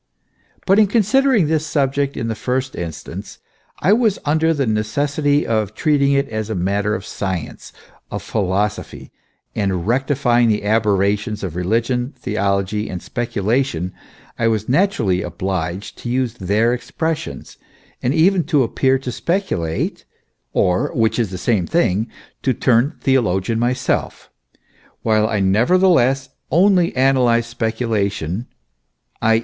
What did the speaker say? But in considering this subject in the first instance, I was under the necessity of treating it as a matter of science, of philosophy ; and in rectifying the aber rations of Beligion, Theology, and Speculation, I was naturally obliged to use their expressions, and even to appear to speculate, or which is the same thing to turn theologian myself, while I nevertheless only analyse speculation, i.